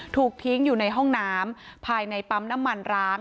ถูกทิ้งอยู่ในห้องน้ำภายในปั๊มน้ำมันร้าง